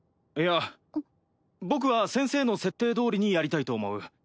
いや僕は先生の設定どおりにやりたいと思う。